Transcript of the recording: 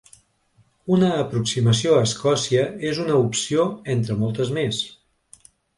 Una aproximació a Escòcia és una opció entre moltes més.